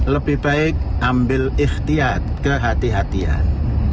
lebih baik ambil ikhtiat kehatian